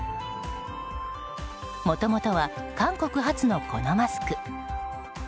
もともとは韓国発のこのマスク。